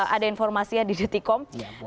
ada informasinya di detikom